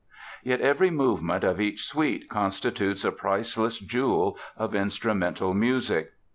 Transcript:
Yet every movement of each suite constitutes a priceless jewel of instrumental music.